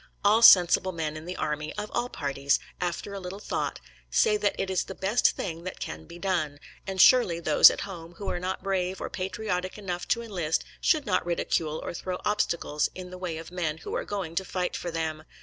All sensible men in the army, of all parties, after a little thought, say that it is the best thing that can be done, and surely those at home who are not brave or patriotic enough to enlist should not ridicule or throw obstacles in the way of men who are going to fight for them.